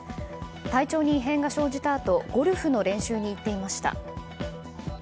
体調に異変が生じたあとゴルフの練習に行っていました。